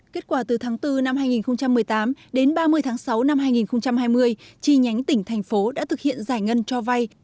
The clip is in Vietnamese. kết quả từ tháng bốn năm hai nghìn một mươi tám đến ba mươi tháng sáu năm hai nghìn hai mươi chi nhánh tỉnh thành phố đã thực hiện giải ngân cho vay